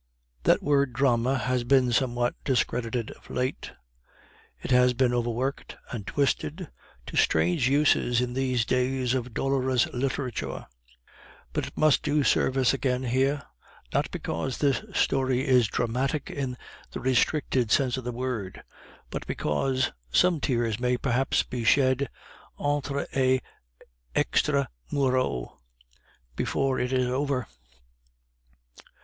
That word drama has been somewhat discredited of late; it has been overworked and twisted to strange uses in these days of dolorous literature; but it must do service again here, not because this story is dramatic in the restricted sense of the word, but because some tears may perhaps be shed intra et extra muros before it is over.